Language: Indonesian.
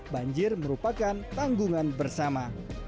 banjir merupakan tanggungan bersama